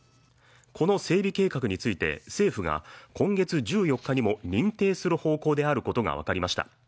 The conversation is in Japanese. この整備計画について、政府が今月１４日にも認定する方向であることがわかりました。